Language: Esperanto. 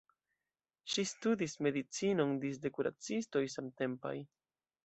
Ŝi studis medicinon disde kuracistoj samtempaj.